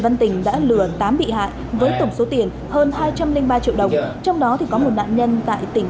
văn tỉnh đã lừa tám bị hại với tổng số tiền hơn hai trăm linh ba triệu đồng trong đó có một nạn nhân tại tỉnh